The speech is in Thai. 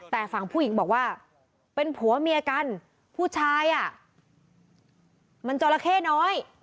แต่ฝั่งผู้หญิงบอกว่าเป็นผัวเมียกันผู้ชายอ่ะมันจราเข้น้อย